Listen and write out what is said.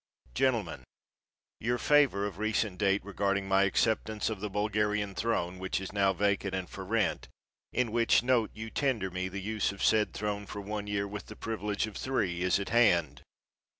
_ Gentlemen: Your favor of recent date regarding my acceptance of the Bulgarian throne, which is now vacant and for rent, in which note you tender me the use of said throne for one year, with the privilege of three, is at hand.